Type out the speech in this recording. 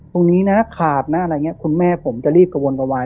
ตรงนี้นะขาดนะอะไรอย่างนี้คุณแม่ผมจะรีบกระวนกระวาย